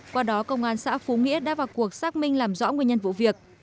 qua đó công an xã phú nghĩa đã vào cuộc xác minh làm rõ nguyên nhân vụ việc